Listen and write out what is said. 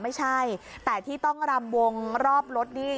ไม่ใช่แต่ที่ต้องรำวงรอบรถนี่